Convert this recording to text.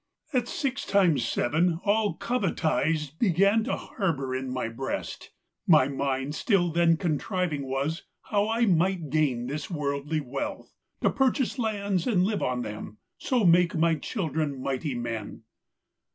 At six times seven all covetise Began to harbour in my breast; My mind still then contriving was How I might gain this worldly wealth; To purchase lands and live on them, So make my children mighty men.